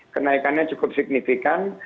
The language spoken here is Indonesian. kenaikannya cukup signifikan